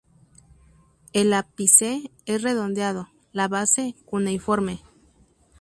El ápice es redondeado, la base cuneiforme.